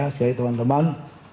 sekali lagi teman teman